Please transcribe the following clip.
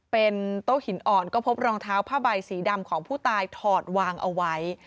เป็นโต๊ะหินอ่อนก็พบรองเท้าผ้าใบสีดำของผู้ตายถอดวางเอาไว้